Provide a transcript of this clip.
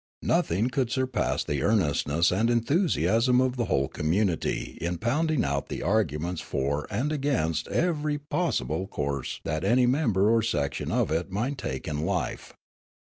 Nothing could surpass 'the earnestness and enthusiasm of the whole community in pounding out the arguments for and against everj' possible .course that any member or section of it might take in life.